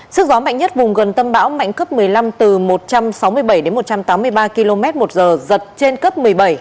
sức gió mạnh nhất vùng gần tâm bão mạnh cấp một mươi năm từ một trăm sáu mươi bảy đến một trăm tám mươi ba km một giờ giật trên cấp một mươi bảy